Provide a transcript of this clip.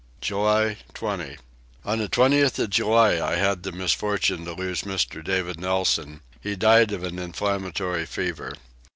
July 20. On the 20th of July I had the misfortune to lose Mr. David Nelson: he died of an inflammatory fever.